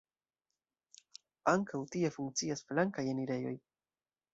Ankaŭ tie funkcias flankaj enirejoj.